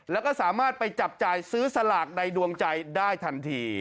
แล้วก็สามารถไปจับจ่ายซื้อสลากในดวงใจได้ทันที